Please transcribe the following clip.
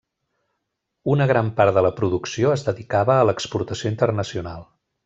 Una gran part de la producció es dedicava a l'exportació internacional.